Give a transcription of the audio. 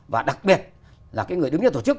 và đặc biệt là người đứng trên tổ chức